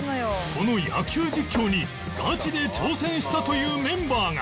この野球実況にガチで挑戦したというメンバーが